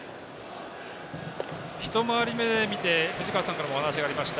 １回り目見て藤川さんからもお話がありました